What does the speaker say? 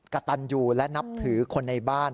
กระตันอยู่และนับถือคนในบ้าน